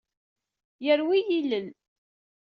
Yerwi yilel.